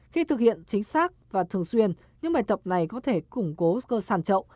khi thực hiện chính xác và thường xuyên những bài tập này có thể củng cố cơ sản trậu